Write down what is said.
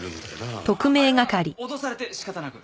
あれは脅されて仕方なく。